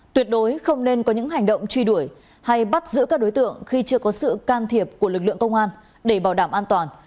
tuyệt đối không nên có những hành động truy đuổi hay bắt giữ các đối tượng khi chưa có sự can thiệp của lực lượng công an để bảo đảm an toàn